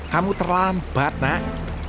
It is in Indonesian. kamu terlambat nak